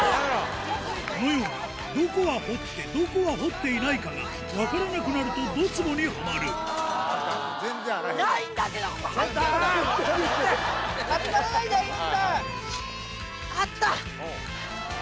このようにどこは掘ってどこは掘っていないかが分からなくなるとどツボにハマるあった！